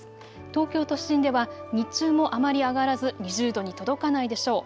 東京都心では日中もあまり上がらず２０度に届かないでしょう。